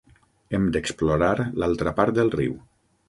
Hem d'explorar l'altra part del riu.